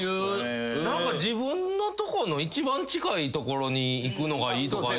自分のとこの一番近い所に行くのがいいとか。